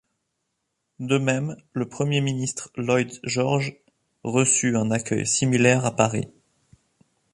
De même, le premier ministre Lloyd George reçut un accueil similaire à Paris.